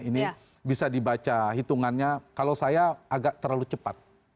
ini bisa dibaca hitungannya kalau saya agak terlalu cepat